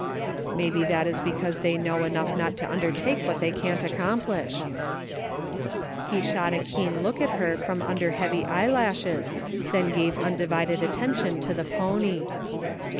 " Maybe that is because they know enough not to undertake what they can't accomplish." He shot a keen look at her from under heavy eyelashes, then gave undivided attention to the pony.